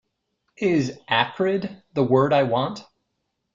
Is 'acrid' the word I want?